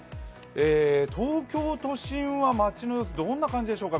東京都心は街の様子どんな感じでしょうか？